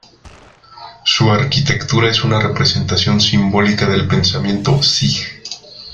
Su arquitectura es una representación simbólica del pensamiento sij.